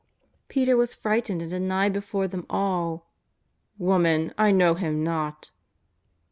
Peter was frightened and denied before them all: ^' Woman, I know Him not."